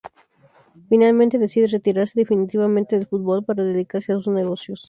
Finalmente decide retirarse definitivamente del fútbol para dedicarse a sus negocios.